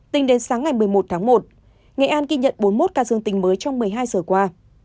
tính đến sáng ngày một mươi một tháng một nghệ an ghi nhận bốn mươi một ca dương tình mới trong một mươi hai giờ qua